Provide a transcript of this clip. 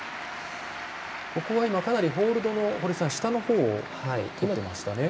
ここはかなりホールドの下の方をつかんでましたね。